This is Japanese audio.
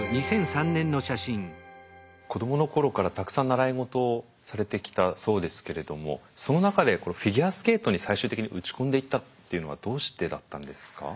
子どもの頃からたくさん習い事をされてきたそうですけれどもその中でこのフィギュアスケートに最終的に打ち込んでいったっていうのはどうしてだったんですか？